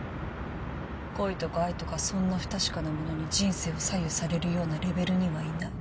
恋とか愛とかそんな不確かなものに人生を左右されるようなレベルにはいない。